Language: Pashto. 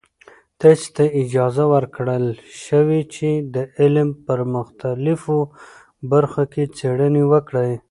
تاسې ته اجازه ورکړل شوې چې د علم په مختلفو برخو کې څیړنې وکړئ.